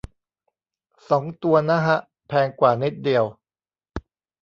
สองตัว นะฮะ แพงกว่านิดเดียว